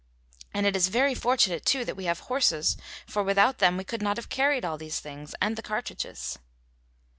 And it is very fortunate too that we have horses for without them we could not have carried all these things and the cartridges."